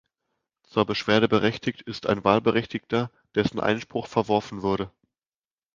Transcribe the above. Zur Beschwerde berechtigt ist ein Wahlberechtigter, dessen Einspruch verworfen wurde.